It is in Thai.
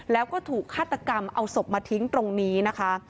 แล้วก็ถูกฆาตกรรมเอาศพมาทิ้งตรงนี้นะคะ